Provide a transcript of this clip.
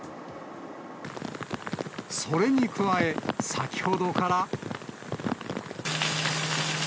それに加え、先ほどから。